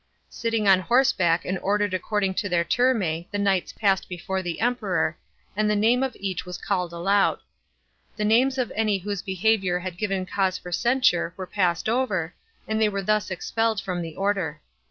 Sitting on horseback and ordered according to their turmse, the knights passed before the Emperor, and the name of each was called aloud. The names of any whose behaviour had given cause for censure were passed over, and they were thus expelled from the order.